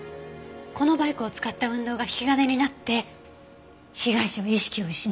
このバイクを使った運動が引き金になって被害者は意識を失った。